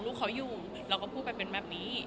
เราก็พูดแบบเป็นแบบนี้